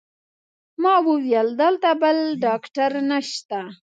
ما وویل: دلته بل ډاکټر نشته؟